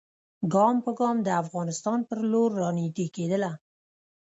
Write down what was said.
ګام په ګام د افغانستان پر لور را نیژدې کېدله.